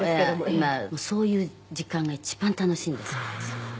「今そういう時間が一番楽しいんです私」